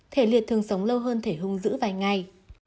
thể liệt thường sống lâu hơn thể hung dữ vài ngày